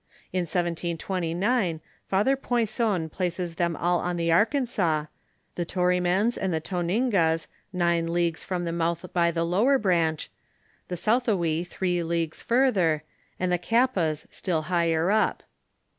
In 1729, Father Poisson places them all on the Arkansas — the Toifrimans and Tongingas, nine leagues from the mouth by the lower branch, the yauthouis three leaguesjurther, and the Knp])aB still higher up.